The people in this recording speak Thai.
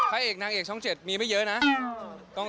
พระเอกนางเอกช่อง๗มีไม่เยอะนะ